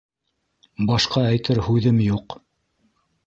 Башҡа әйтер һүҙем юҡ.